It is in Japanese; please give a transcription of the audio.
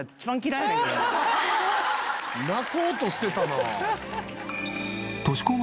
泣こうとしてたな。